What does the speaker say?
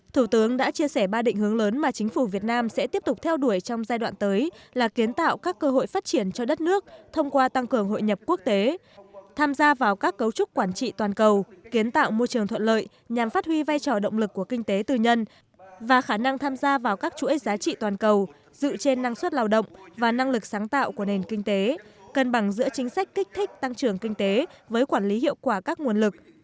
thủ tướng đã chia sẻ ba định hướng lớn mà chính phủ việt nam sẽ tiếp tục theo đuổi trong giai đoạn tới là kiến tạo các cơ hội phát triển cho đất nước thông qua tăng cường hội nhập quốc tế tham gia vào các cấu trúc quản trị toàn cầu kiến tạo môi trường thuận lợi nhằm phát huy vai trò động lực của kinh tế tư nhân và khả năng tham gia vào các chuỗi giá trị toàn cầu dự trên năng suất lào động và năng lực sáng tạo của nền kinh tế cân bằng giữa chính sách kích thích tăng trưởng kinh tế với quản lý hiệu quả các nguồn lực